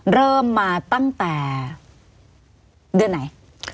เริ่มมาตั้งแต่เดือนไหน